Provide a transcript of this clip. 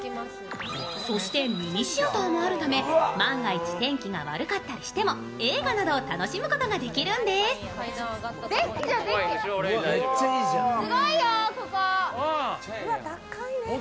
そしてミニシアターもあるため万が一天気が悪かったとしても映画などを楽しむことができるんです。